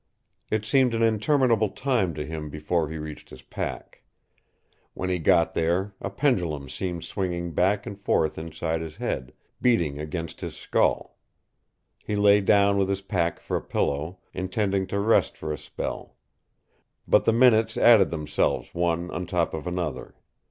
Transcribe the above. It seemed an interminable time to him before he reached his pack. When he got there, a pendulum seemed swinging back and forth inside his head, beating against his skull. He lay down with his pack for a pillow, intending to rest for a spell. But the minutes added themselves one on top of another.